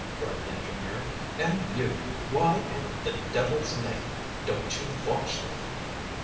cried the engineer. "And you! why, in the devil's name, don't you watch them?"